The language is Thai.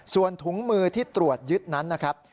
ส่วนถุงมือที่ตรวจยึดนั้นนะครับ